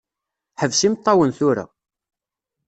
Ḥbes imeṭṭawen tura.